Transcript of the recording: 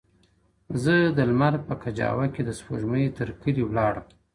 زه د لمر په کجاوه کي د سپوږمۍ تر کلي ولاړم -